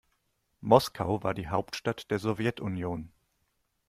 Moskau war die Hauptstadt der Sowjetunion.